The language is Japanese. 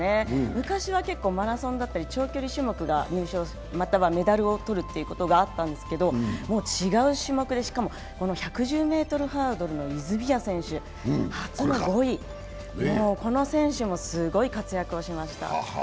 昔は結構、マラソンだったり長距離種目が入賞、メダルを取ることがあったんですけどもう違う種目で、しかも１１０ｍハードルの泉谷選手、初の５位、この選手もすごい活躍しました。